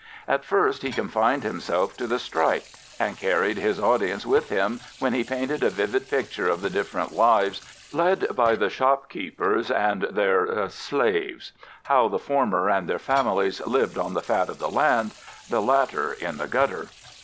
At first he confined himself to the strike, and carried his audience with him when he painted a vivid picture of the different lives led by the shopkeepers and their "slaves," how the former and their families lived on the fat of the land, the latter in the gutter.